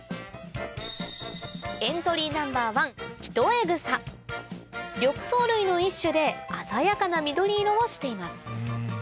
エントリーナンバー１緑藻類の一種で鮮やかな緑色をしています